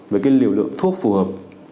với cái liều lượng thuốc phù hợp